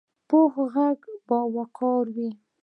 پوخ غږ باوقاره وي